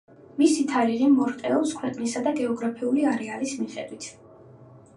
მისი თარიღი მერყეობს ქვეყნისა და გეოგრაფიული არეალის მიხედვით.